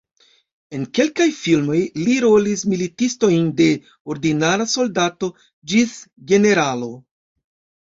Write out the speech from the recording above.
En kelkaj filmoj li rolis militistojn de ordinara soldato ĝis generalo.